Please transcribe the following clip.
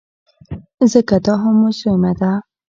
ځکه دا هم مجرمه ده.